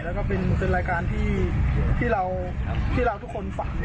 แล้วก็เป็นรายการที่เราทุกคนฝัน